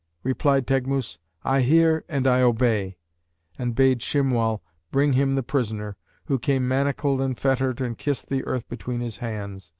Replied Teghmus, 'I hear and I obey,' and bade Shimwal bring him the prisoner, who came manacled and fettered and kissed earth between his hands.